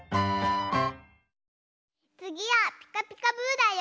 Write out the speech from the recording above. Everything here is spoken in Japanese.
つぎは「ピカピカブ！」だよ。